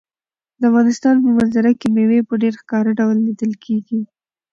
د افغانستان په منظره کې مېوې په ډېر ښکاره ډول لیدل کېږي.